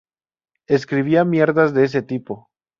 Escribía mierdas de ese tipo